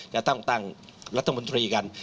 จะต้องตั้งรัฐมนตรีกัน